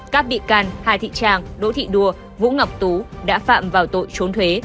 các bị can hai thị trang đỗ thị đua vũ ngọc tú đã phạm vào tội trốn thuế